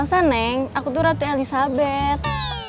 aku bukan elsa neng aku tuh ratu elizabeth